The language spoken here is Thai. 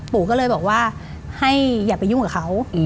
ปู่ก็เลยบอกว่าให้อย่าไปยุ่งกับเขา